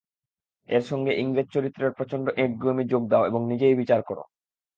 এর সঙ্গে ইংরেজ চরিত্রের প্রচণ্ড একগুঁয়েমি যোগ দাও এবং নিজেই বিচার কর।